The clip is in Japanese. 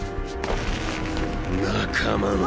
仲間の。